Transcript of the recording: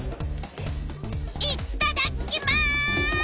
いっただきます！